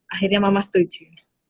akhirnya mama setuju